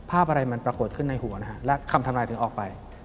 ภาพอะไรมันปรากฏขึ้นในหัวนะฮะและคำทำลายถึงออกไป